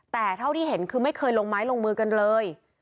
แต่เท่าที่เห็นคือไม่เคยลงไม้ลงมือกันเลย